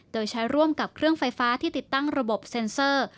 โดยใช้ร่วมกับเครื่องไฟฟ้าที่ติดตั้งระบบเซ็นเซอร์